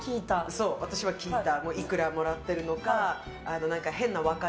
そう、私は聞いた。